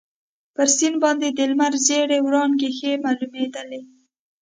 پر سیند باندي د لمر ژېړې وړانګې ښې معلومیدلې.